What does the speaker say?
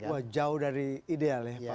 wah jauh dari ideal ya pak